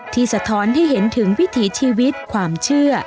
สะท้อนให้เห็นถึงวิถีชีวิตความเชื่อ